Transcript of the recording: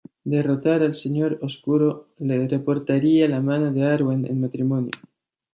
Derrotar al señor oscuro le reportaría la mano de Arwen en matrimonio.